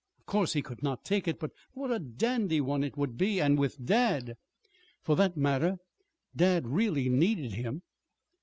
Of course he could not take it but what a dandy one it would be! And with dad ! For that matter, dad really needed him.